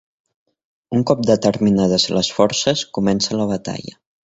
Un cop determinades les Forces, comença la batalla.